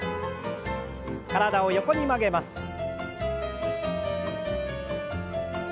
体を横に曲げます。